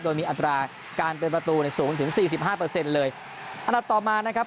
โดยมีอัตราการเป็นประตูเนี่ยสูงถึงสี่สิบห้าเปอร์เซ็นต์เลยอันดับต่อมานะครับ